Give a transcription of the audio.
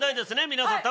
皆さん。